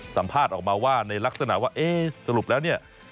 สัมภาษณ์ออกมาว่าในลักษณะว่าเอ๊ะสรุปแล้วเนี่ย